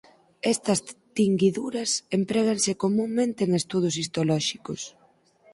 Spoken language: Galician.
Estas tinguiduras empréganse comunmente en estudos histolóxicos.